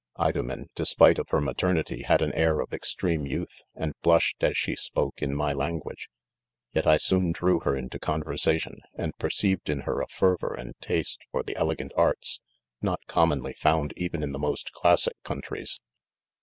Idomen, despite of hex "maternity, had a. a a u' of extreme youth, and blushed as shs spoke h: may language j yet i :;ooa d/cuv her into conver sation, and "nerceiv ;;t .":■:>.. iiov a (WvO: miA &.; r.I;) 14 • IDOBIEN* for the elegant arts, not cornmonly found even in the most classic countries.